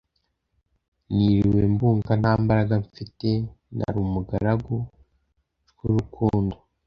niriwe mbunga nta mbaraga mfite ,nari umugaragu cwurukundo